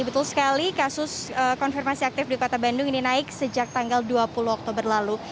betul sekali kasus konfirmasi aktif di kota bandung ini naik sejak tanggal dua puluh oktober lalu